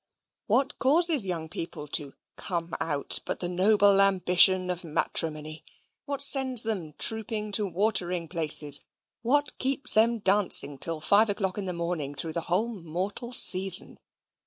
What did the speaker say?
What causes young people to "come out," but the noble ambition of matrimony? What sends them trooping to watering places? What keeps them dancing till five o'clock in the morning through a whole mortal season?